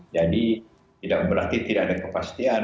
jadi tidak berarti tidak ada kepastian